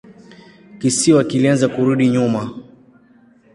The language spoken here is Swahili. Kisiwa kilianza kurudi nyuma.